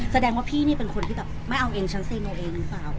แสดงว่าพี่นี่เป็นคนที่แบบไม่เอาเองฉันเซ็งเอาเองหรือเปล่า